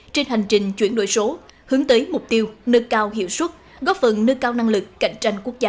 trên hành trình chuyển đổi số hướng tới mục tiêu nâng cao hiệu suất góp phần nâng cao năng lực cạnh tranh quốc gia